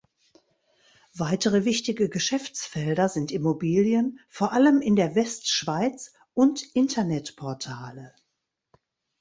Weitere wichtige Geschäftsfelder sind Immobilien, vor allem in der Westschweiz, und Internet-Portale.